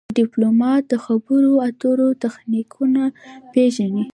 ډيپلومات د خبرو اترو تخنیکونه پېژني.